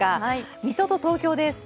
水戸と東京です。